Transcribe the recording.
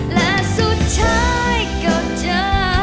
และสุดท้ายกับเธอ